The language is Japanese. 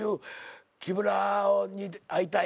木村に会いたい。